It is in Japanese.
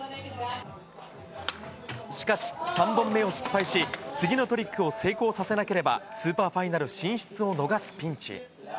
しかし、３本目を失敗し、次のトリックを成功させなければ、スーパーファイナル進出を逃すピンチへ。